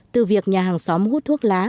từ việc nhà hàng xóm hút thuốc lá